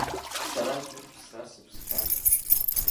Сара знык ԥсра сыԥсхьан.